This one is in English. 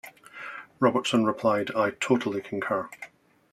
Robertson replied, "I totally concur".